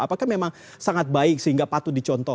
apakah memang sangat baik sehingga patut dicontoh